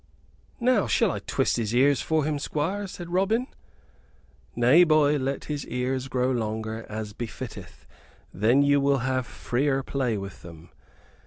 "Now shall I twist his ears for him, Squire?" said Robin. "Nay, boy, let his ears grow longer, as befitteth; then you will have freer play with them.